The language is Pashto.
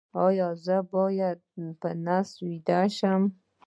ایا زه باید په نس ویده شم؟